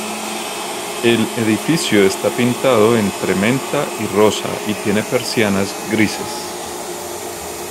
El edificio está pintado entre menta y rosa y tiene persianas grises.